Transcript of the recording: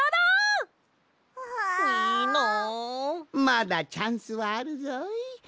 まだチャンスはあるぞい。